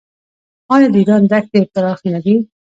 آیا د ایران دښتې پراخې نه دي؟